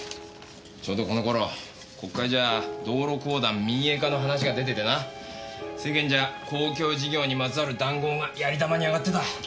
ちょうどこの頃国会じゃ道路公団民営化の話が出ててな世間じゃ公共事業にまつわる談合がやり玉に上がってた。